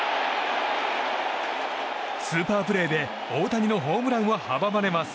スーパープレーで大谷のホームランは阻まれます。